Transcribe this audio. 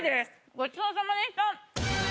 ごちそうさまでした。